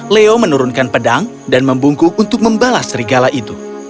leo menurunkan pedang dan membungku untuk membalas serigala itu